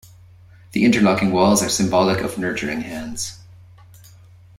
The interlocking walls are symbolic of nurturing hands.